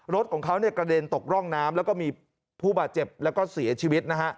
รถของเขากระเด็นตกร่องน้ำแล้วก็มีผู้บาดเจ็บแล้วก็เสียชีวิตนะฮะ